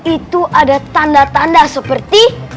itu ada tanda tanda seperti